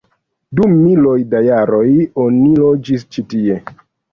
Dum miloj da jaroj oni loĝis ĉi tie.